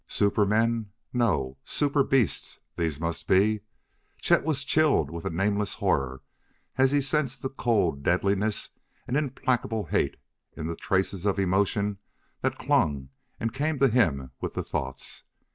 Super men? No? Super beasts, these must be. Chet was chilled with a nameless horror as he sensed the cold deadliness and implacable hate in the traces of emotion that clung and came to him with the thoughts.